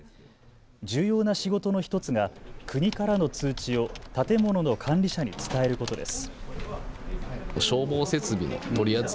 重要な仕事の１つが国からの通知を建物の管理者に伝えることです。